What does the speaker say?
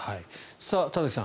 田崎さん